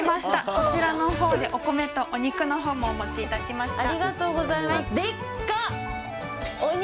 こちらのほうで、お米とお肉もお持ちいたしました。